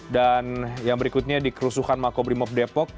dan yang berikutnya di kerusuhan makobrimob com